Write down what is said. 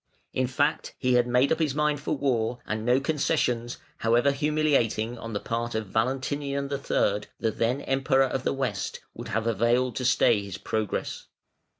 In fact he had made up his mind for war, and no concessions, however humiliating, on the part of Valentinian III., the then Emperor of the West, would have availed to stay his progress.